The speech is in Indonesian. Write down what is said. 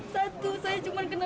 satu saya cuma kenalin doang pak